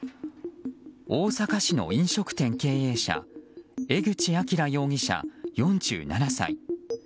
大阪市の飲食店経営者江口亮容疑者、４７歳。